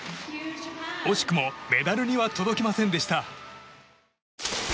惜しくもメダルには届きませんでした。